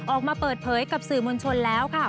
ออกมาเปิดเผยกับสื่อมวลชนแล้วค่ะ